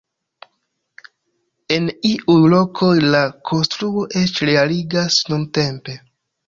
En iuj lokoj, la konstruo eĉ realigas nuntempe.